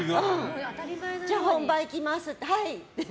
じゃあ本番行きます、はいって。